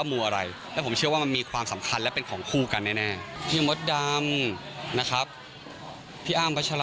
มาช่วยเสริมดวงให้ปังกุริเย๊กันบ้าง